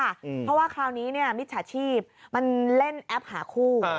เพราะว่าคราวนี้เนี่ยมิจฉาชีพมันเล่นแอปหาคู่